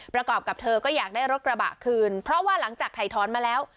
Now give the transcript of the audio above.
ประกอบกับเธอก็อยากได้รถกระบะคืนเพราะว่าหลังจากถ่ายท้อนมาแล้ว